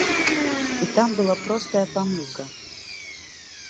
І там была простая памылка.